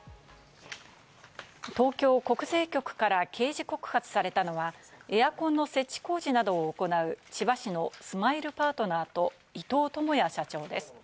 東京国税局から刑事告発されたのは、エアコンの設置工事などを行う千葉市のスマイルパートナーと伊藤友哉社長です。